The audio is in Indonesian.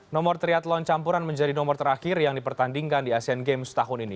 nomor triathlon campuran menjadi nomor terakhir yang dipertandingkan di asean games tahun ini